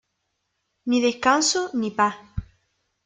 Ni descanso, ni paz!